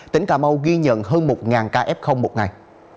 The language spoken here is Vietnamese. tỉnh cà mau ghi nhận hơn một ca f một ngày